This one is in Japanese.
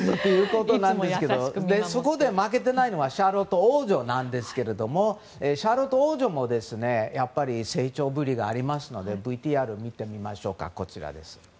そこで負けていないのはシャーロット王女なんですがシャーロット王女も成長ぶりがありますのでＶＴＲを見てみましょう。